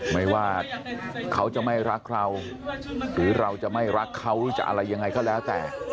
ไม่ว่าเขาจะไม่รักเราหรือเราจะไม่รักเขาหรือจะอะไรยังไงก็แล้วแต่